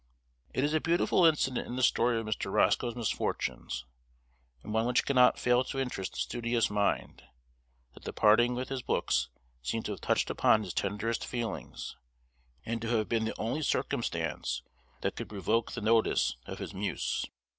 It is a beautiful incident in the story of Mr. Roscoe's misfortunes, and one which cannot fail to interest the studious mind, that the parting with his books seems to have touched upon his tenderest feelings, and to have been the only circumstance that could provoke the notice of his muse.